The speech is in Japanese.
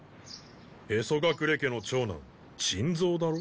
屁祖隠家の長男珍蔵だろ？